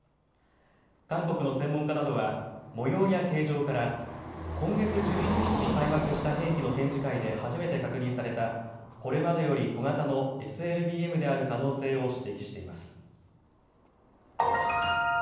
韓国の専門家などは模様や形状から今月１１日に開幕した兵器の展示会で初めて確認されたこれまでより小型のＳＬＢＭである可能性を指摘しています。